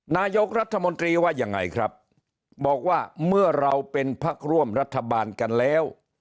นายกรัฐมนตรีว่ายังไงครับบอกว่าเมื่อเราเป็นพักร่วมรัฐบาลกันแล้ว